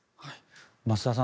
増田さん